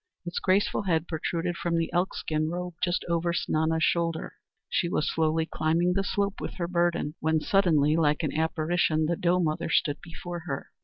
Its graceful head protruded from the elk skin robe just over Snana's shoulder. She was slowly climbing the slope with her burden, when suddenly like an apparition the doe mother stood before her.